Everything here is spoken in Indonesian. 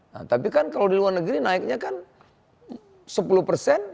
nah tapi kan kalau di luar negeri naiknya kan sepuluh persen kita cuma tiga persen